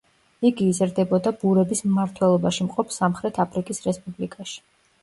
იგი იზრდებოდა ბურების მმართველობაში მყოფ სამხრეთ აფრიკის რესპუბლიკაში.